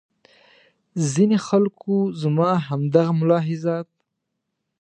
ځینې خلکو زما همدغه ملاحظات.